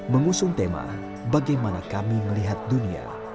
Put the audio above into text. mengusung tema bagaimana kami melihat dunia